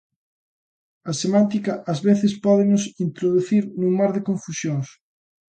A semántica ás veces pódenos introducir nun mar de confusións.